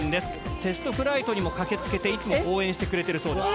テストフライトにも駆けつけていつも応援してくれてるそうです。